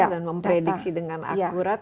dan memprediksi dengan akurat